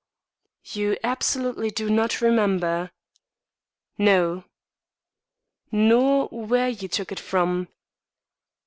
"You absolutely do not remember?" "No." "Nor where you took it from?"